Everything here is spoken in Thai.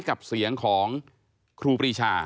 กับเสียงของครูปรีชา